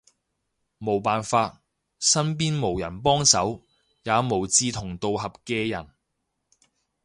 無辦法，身邊無人幫手，也無志同道合嘅人